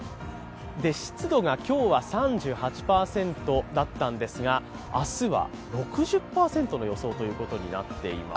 湿度が今日は３８％だったんですが、明日は６０％の予想となっています。